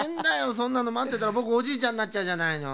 そんなのまってたらぼくおじいちゃんになっちゃうじゃないの。